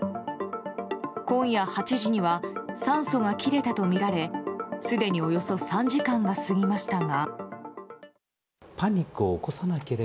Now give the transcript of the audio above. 今夜８時には酸素が切れたとみられすでに、およそ３時間が過ぎましたが。